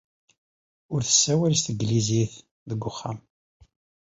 Ur tessawal s tanglizit deg wexxam.